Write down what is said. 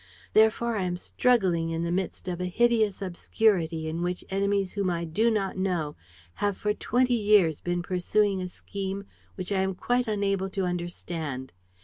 Therefore, I am struggling in the midst of a hideous obscurity in which enemies whom I do not know have for twenty years been pursuing a scheme which I am quite unable to understand.